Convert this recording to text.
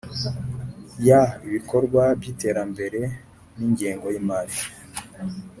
Y ibikorwa by iterambere n ingengo y imari